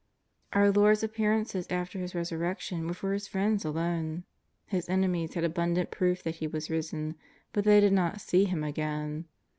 Our Lord's Appearances after His Resurrection were for His friends alone. His enemies had abundant proof that He was risen, but they did not see Him again.